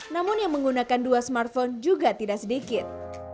namun yang menggunakan dua smartphone juga tidak sedikit